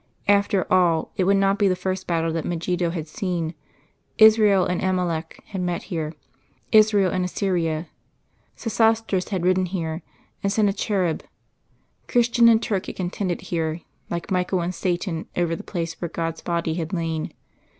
After all, it would not be the first battle that Megiddo had seen. Israel and Amalek had met here; Israel and Assyria; Sesostris had ridden here and Sennacherib. Christian and Turk had contended here, like Michael and Satan, over the place where God's Body had lain.